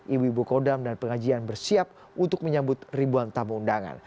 ibu ibu kodam dan pengajian bersiap untuk menyambut ribuan tamu undangan